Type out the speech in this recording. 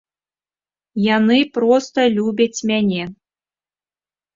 Яны проста любяць мяне.